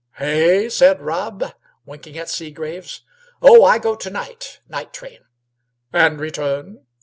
"Hay!" said Rob, winking at Seagraves. "Oh, I go to night night train." "And return?"